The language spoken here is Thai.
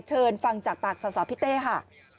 เชิญฟังจากปากสพี่เต้ค่ะ